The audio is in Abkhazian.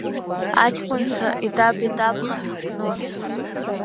Аҷкәынцәа етап-етапла ҳахәнон.